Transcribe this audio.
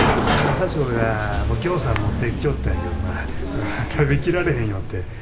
佐知子がぎょうさん持ってきよったんやけどな食べきられへんよって。